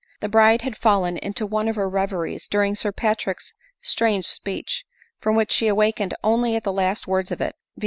The bride had fallen into one of her reve ries during Sir Patrick's strange speech, from which she awakened only at the last words of it, viz.